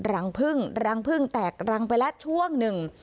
รังพึ่งแตกรังไปและช่วงหนึ่ง